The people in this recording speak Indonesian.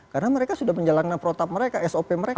karena mereka sudah menjalankan protap mereka sop mereka